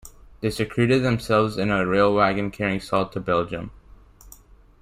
They secreted themselves in a rail wagon carrying salt to Belgium.